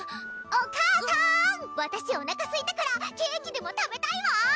お母さーんわたしおなかすいたからケーキでも食べたいわ！